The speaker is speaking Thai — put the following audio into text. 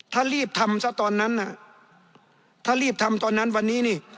ถ้ารีบทำซะตอนนั้นน่ะถ้ารีบทำตอนนั้นวันนี้นี่